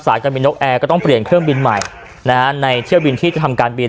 การบินนกแอร์ก็ต้องเปลี่ยนเครื่องบินใหม่นะฮะในเที่ยวบินที่จะทำการบิน